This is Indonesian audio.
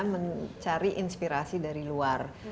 mencari inspirasi dari luar